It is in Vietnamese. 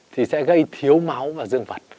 thì sẽ gây thiếu máu vào dương vật